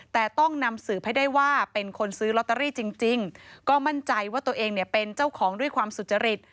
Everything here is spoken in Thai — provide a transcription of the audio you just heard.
แต่ต้องนำสืบให้ได้ว่าเป็นคนซื้อลอตเตอรี่จริงก็มั่นใจว่าตัวเองเนี่ยเป็นเจ้าของด้วยความสุจริต